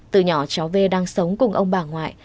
từ nhỏ cháu v đang sống cùng ông bà ngoại